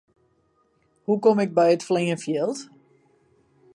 Hoe kom ik by it fleanfjild?